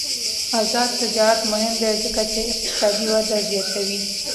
آزاد تجارت مهم دی ځکه چې اقتصادي وده زیاتوي.